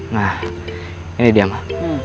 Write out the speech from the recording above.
nah ini dia ma